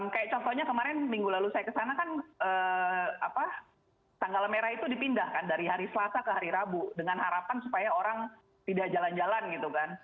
kayak contohnya kemarin minggu lalu saya kesana kan tanggal merah itu dipindahkan dari hari selasa ke hari rabu dengan harapan supaya orang tidak jalan jalan gitu kan